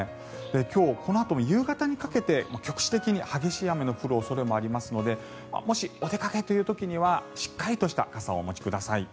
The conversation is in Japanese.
今日このあとも夕方にかけて局地的に激しい雨の降る恐れもありますのでもし、お出かけという時にはしっかりとした傘をお持ちください。